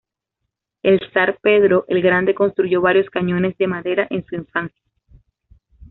El zar Pedro el Grande construyó varios cañones de madera en su infancia.